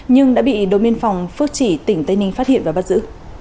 nhưng đã bị đồn biên phòng phước chỉ tỉnh tây ninh phát hiện và bắt giữ